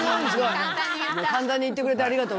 簡単に言ってくれてありがとう。